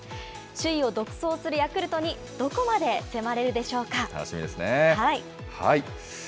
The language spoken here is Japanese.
首位を独走するヤクルトにどこまで迫れるでしょうか。